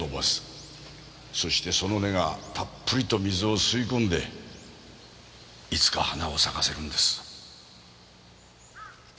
そしてその根がたっぷりと水を吸い込んでいつか花を咲かせるんです。